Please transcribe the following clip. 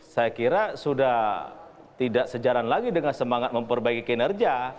saya kira sudah tidak sejalan lagi dengan semangat memperbaiki kinerja